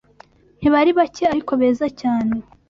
Ntibari bake ariko beza cyane